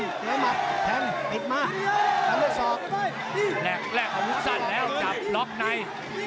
แรกแรกของวุฒันแล้วจับล็อคไนท์